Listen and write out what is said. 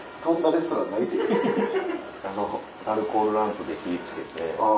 あのアルコールランプで火ぃ付けて。